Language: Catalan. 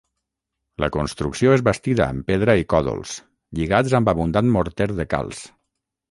La construcció és bastida amb pedra i còdols, lligats amb abundant morter de calç.